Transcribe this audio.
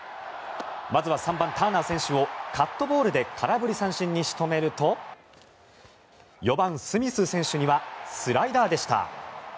まずは３番、ターナー選手をカットボールで空振り三振に仕留めると４番、スミス選手にはスライダーでした。